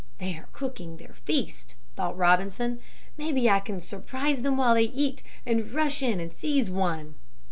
"They are cooking their feast," thought Robinson. "Maybe I can surprise them while they eat and rush in and seize one."